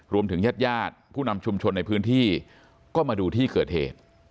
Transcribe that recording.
ญาติญาติผู้นำชุมชนในพื้นที่ก็มาดูที่เกิดเหตุ